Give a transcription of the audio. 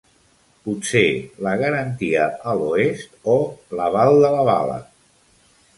Potser «La garantia a l'Oest» o «L'aval de la bala».